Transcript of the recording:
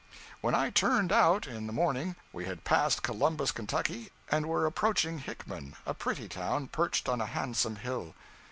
When I turned out, in the morning, we had passed Columbus, Kentucky, and were approaching Hickman, a pretty town, perched on a handsome hill.